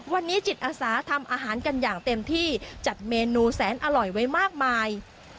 วันนี้จิตอาสาทำอาหารกันอย่างเต็มที่จัดเมนูแสนอร่อยไว้มากมาย